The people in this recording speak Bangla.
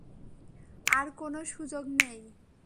আর কোনো সুযোগ নেই।